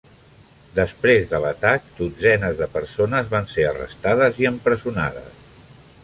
Després de l'atac, dotzenes de persones van ser arrestades i empresonades.